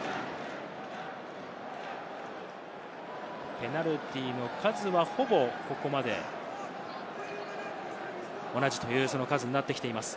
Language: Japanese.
ペナルティーの数はほぼ、ここまで同じという数になってきています。